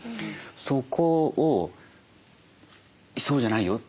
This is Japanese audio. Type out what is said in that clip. そこを「そうじゃないよ。